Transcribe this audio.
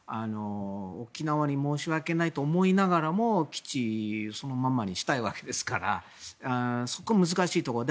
沖縄に申し訳ないと思いながらも基地をそのままにしたいわけですからそこが難しいところ。